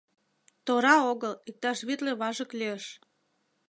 Тора огыл — иктаж витле важык лиеш.